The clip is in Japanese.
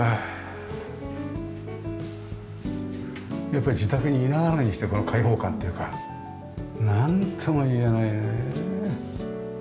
やっぱり自宅にいながらにしてこの開放感というかなんとも言えないね。